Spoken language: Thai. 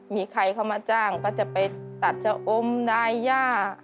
มีใครเข้ามาจ้างก็จะไปตัดชะอมได้ย่า